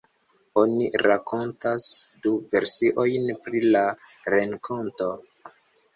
Oni rakontas du versiojn pri la renkonto.